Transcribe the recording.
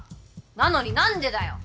なのに何でだよ！